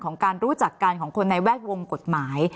การรู้จักกันของคนในแวดวงกฎหมาย